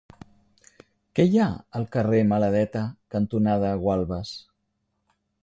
Què hi ha al carrer Maladeta cantonada Gualbes?